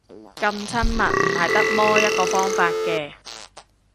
噉親密唔係得摸一個方法嘅